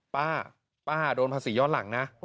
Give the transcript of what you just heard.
ป้าป้าโดนภาษีย้อนหลังนะ